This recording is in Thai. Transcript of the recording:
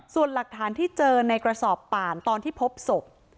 ส่วนหลักฐานที่เจอในกระสอบป่านตอนที่พบศพ